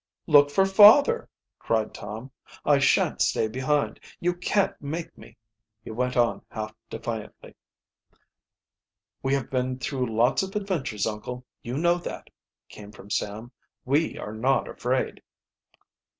"Look for father!" cried Tom. "I shan't stay behind you can't make me!" he went on half defiantly. "We have been through lots of adventures, uncle, you know that," came from Sam. "We are not afraid."